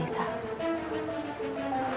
nisa kamu jangan main main sama aku ya nisa